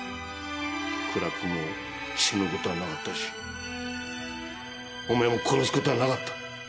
苦楽も死ぬこたなかったしお前も殺すこたぁなかった。